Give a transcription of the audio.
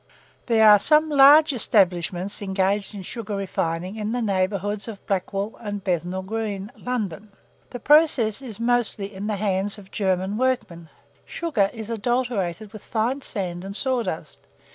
There are some large establishments engaged in sugar refining in the neighbourhoods of Blackwall and Bethnal Green, London. The process is mostly in the hands of German workmen. Sugar is adulterated with fine sand and sawdust.